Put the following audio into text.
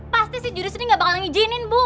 pasti sih jurus ini gak bakalan ngijinin bu